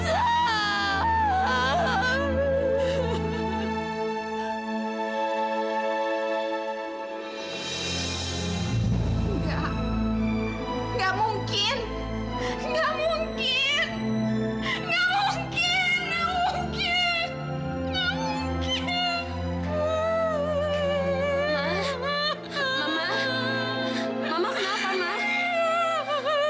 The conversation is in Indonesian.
apa yang enggak mungkin ma